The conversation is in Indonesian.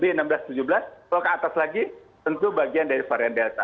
kalau ke atas lagi tentu bagian dari varian delta